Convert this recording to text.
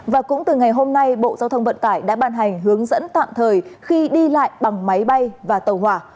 và cũng từ ngày hôm nay bộ giao thông vận tải đã ban hành hướng dẫn tạm thời khi đi lại bằng máy bay và tàu hỏa